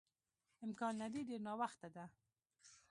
امکان لري ډېر ناوخته ده.